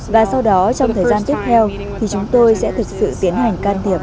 và sau đó trong thời gian tiếp theo thì chúng tôi sẽ thực sự tiến hành can thiệp